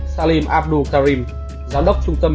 salim abdul karim giám đốc trung tâm y tế thế giới who cho biết